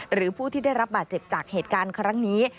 หรือผู้ที่ได้รับบาดเจ็บจากเหตุการณ์ครั้งนี้